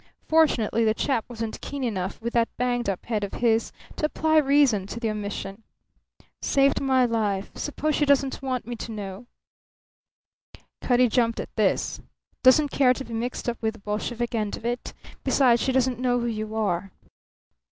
Fortunately, the chap wasn't keen enough with that banged up head of his to apply reason to the omission. "Saved my life. Suppose she doesn't want me to know." Cutty jumped at this. "Doesn't care to be mixed up with the Bolshevik end of it. Besides, she doesn't know who you are."